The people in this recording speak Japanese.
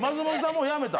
もう辞めた。